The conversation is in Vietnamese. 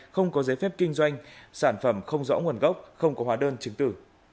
không có giấy phép kinh doanh sản phẩm không rõ nguồn gốc không có hóa đơn chứng tử